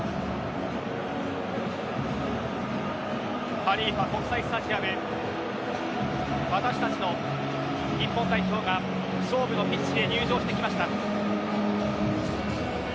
ハリーファ国際スタジアム私たちの日本代表が勝負のピッチへ入場してきました。